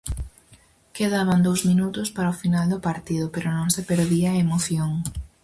Quedaban dous minutos para o final do partido, pero non se perdía a emoción.